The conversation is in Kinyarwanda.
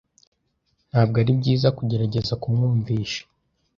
Ntabwo ari byiza kugerageza kumwumvisha.